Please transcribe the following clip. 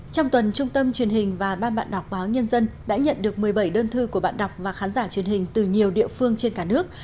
trong tuần trung tâm truyền hình và ban bạn đọc báo nhân dân đã nhận được một mươi bảy đơn thư của bạn đọc và khán giả truyền hình từ nhiều địa phương trên cả nước